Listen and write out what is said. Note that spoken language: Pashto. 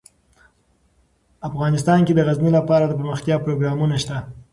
افغانستان کې د غزني لپاره دپرمختیا پروګرامونه شته.